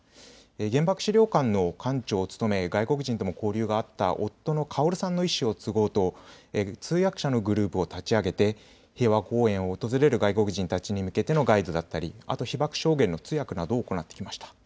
原爆資料館の館長を務め、外国人との交流があった夫のかおるさんの遺志を継ごうと、通訳者のグループを立ち上げて平和公園を訪れる外国人たちに向けてのガイドだったり、あと被爆証言の通訳などを行ってきました。